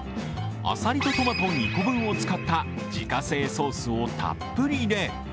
アサリとトマト２個分を使った自家製ソースをたっぷり入れ